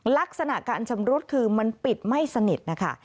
ลักษณะการชำรุดคือมันปิดไม่สนิทนะคะ